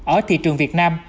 ở thị trường việt nam